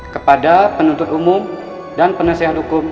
kepada penuntut umum dan penasihat hukum